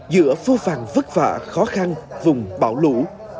giữa vô vàn vất vả khó khăn vùng bão lũ